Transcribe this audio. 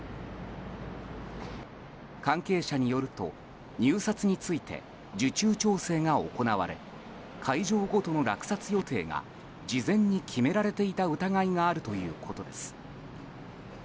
関係者によると入札について受注調整が行われ会場ごとの落札予定が事前に決められていた疑いがあるということです。